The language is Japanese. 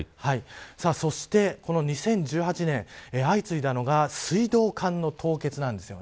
そしてこの２０１８年相次いだのは水道管の凍結なんです。